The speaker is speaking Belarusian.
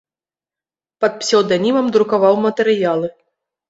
Пад псеўданімам друкаваў матэрыялы.